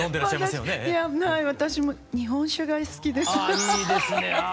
あいいですね。